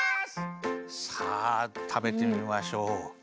さあたべてみましょう。